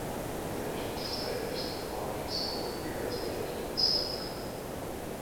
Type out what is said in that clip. In addition to slaves, the market sold real estate and stock.